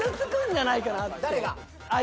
誰が？